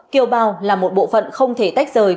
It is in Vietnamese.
kiều bào là một bộ phận không thể tách rời